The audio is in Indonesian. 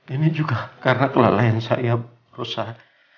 ini juga karena kelalaian saya rusak